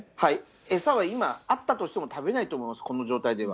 餌は今、あったとしても食べないと思います、この状態では。